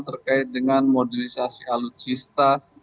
terkait dengan modernisasi alutsista